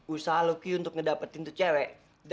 usaha loki untuk ngedapetin tuh cewek